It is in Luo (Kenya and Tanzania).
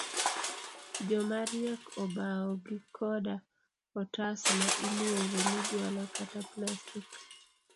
Jomariek obawo gi koda otas ma iluongo ni juala kata plastik.